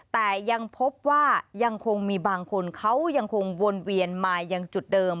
แต่ยังพบว่ายังคงมีบางคนเขายังคงวนเวียนมายังจุดเดิม